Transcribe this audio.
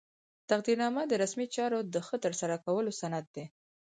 تقدیرنامه د رسمي چارو د ښه ترسره کولو سند دی.